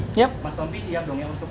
mas taufik siap dong ya